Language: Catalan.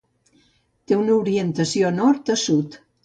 Té una orientació nord a sud.